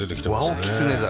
ワオキツネザル。